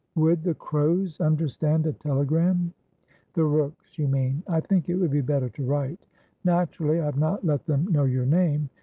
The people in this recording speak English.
"Would the Crows understand a telegram?" "The Rookes, you mean? I think it would be better to write. Naturally, I have not let them know your name.